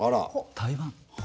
台湾。